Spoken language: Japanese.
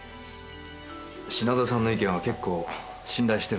品田さんの意見は結構信頼してるんだから。